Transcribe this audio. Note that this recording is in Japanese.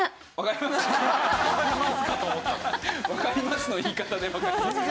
「わかります」の言い方で「わかりません」。